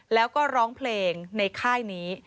แล้วก็ร้องเพลงในค่ายนี้